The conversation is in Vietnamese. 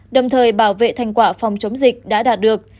đồng thời bảo vệ thành quả phòng chống dịch đã đạt được